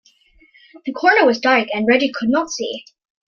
The corner was dark and Reggie could not see.